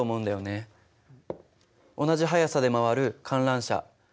同じ速さで回る観覧車。